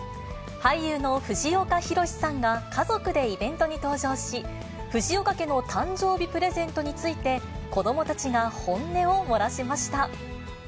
俳優の藤岡弘、さんが家族でイベントに登場し、藤岡家の誕生日プレゼントについて、子どもたちが本音を漏らしま